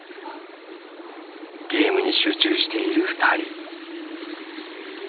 ゲームに集中している２人。